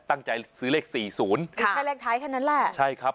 ตั้งใจซื้อเลขสี่ศูนย์ค่ะแค่เลขท้ายแค่นั้นแหละใช่ครับ